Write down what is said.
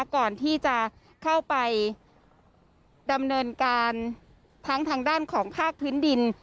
ก่อนที่จะเข้าไปดำเนินการทั้งทางด้านของภาคพื้นดิน